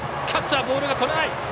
キャッチャーボールがとれない！